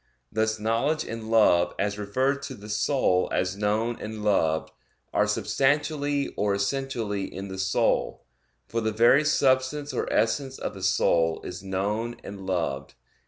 Thus knowledge and love as referred to the soul as known and loved, are substantially or essentially in the soul, for the very substance or essence of the soul is known and loved.